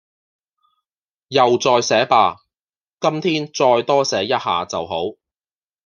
又再寫吧...今天再多寫一下好了